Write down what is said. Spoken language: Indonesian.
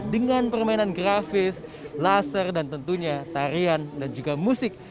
dengan permainan grafis laser dan tentunya tarian dan juga musik